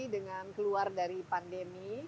dengan keluar dari pandemi